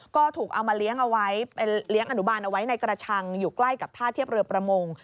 ก็ถูกเอามาเลี้ยงเอาไว้เลี้ยงอนุบาลเอาไว้ในกระชังอยู่ใกล้กับท่าเทียบเรือประมง